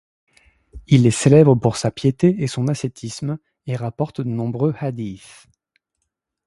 Il est célèbre pour sa piété et son ascétisme et rapporte de nombreux hadîth.